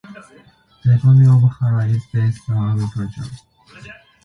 The economy of Hara is based on agriculture.